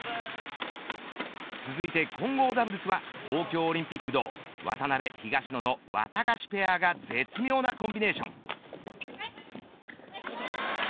続いて混合ダブルスは東京オリンピック銅渡辺・東野のワタガシペアが絶妙なコンビネーション。